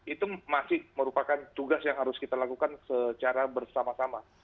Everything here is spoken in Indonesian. itu masih merupakan tugas yang harus kita lakukan secara bersama sama